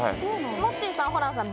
・モッチーさんホランさん